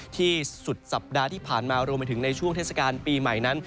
ที่สุดสัปดาห์ที่ผ่านมารวมไปถึงในช่วงเทศกาลปีใหม่นั้น